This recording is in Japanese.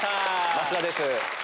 増田です。